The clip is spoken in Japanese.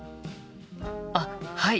あっはい！